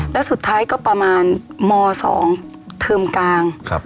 แล้วสุดท้ายก็ประมาณม๒เทอมกลาง